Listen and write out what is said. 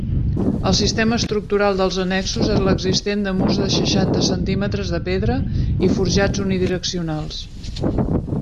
El sistema estructural dels annexos és l'existent de murs de seixanta centímetres de pedra i forjats unidireccionals.